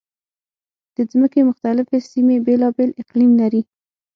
د ځمکې مختلفې سیمې بېلابېل اقلیم لري.